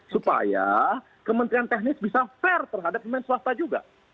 supaya kementerian teknis bisa fair terhadap pemain swasta juga